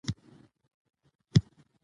د انسان کمال یې نه وو پېژندلی